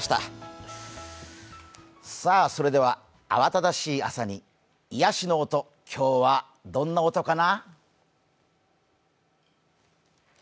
それでは、慌ただしい朝に癒やしの音、今日はどんな音かな。